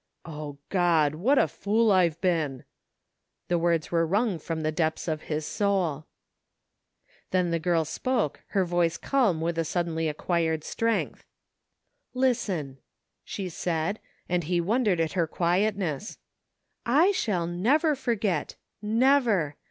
" Oh, CkxI ! What a fool I have been !*' The words were wrung from the depths of his soul Then the girl spoke^ her voice calm wifli a suddenly acquired strength. " Listen !" she said, and he wondered at her quiet ness. "I shall never forget. Never!